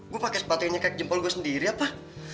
gue pakai sepatunya kayak jempol gue sendiri apa